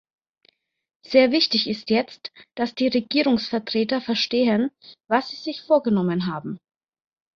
Sehr wichtig ist jetzt, dass die Regierungsvertreter verstehen, was sie sich vorgenommen haben.